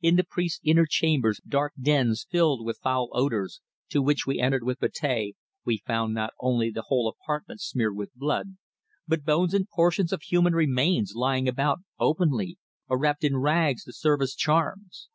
In the priests' inner chambers, dark dens filled with foul odours, to which we entered with Betea, we found not only the whole apartment smeared with blood, but bones and portions of human remains lying about openly, or wrapped in rags to serve as charms.